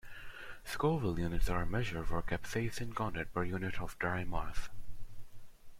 Scoville units are a measure for capsaicin content per unit of dry mass.